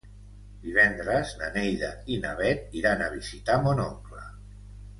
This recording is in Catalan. Divendres na Neida i na Bet iran a visitar mon oncle.